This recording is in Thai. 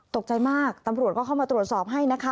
ตกใจมากตำรวจก็เข้ามาตรวจสอบให้นะคะ